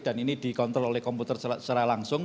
dan ini dikontrol oleh komputer secara langsung